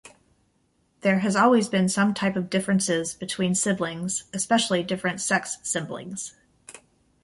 There has always been some type of differences between siblings, especially different sex siblings.